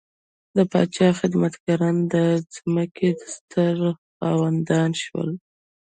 د پاچا خدمتګاران د ځمکو ستر خاوندان شول.